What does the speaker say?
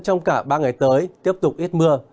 trong cả ba ngày tới tiếp tục ít mưa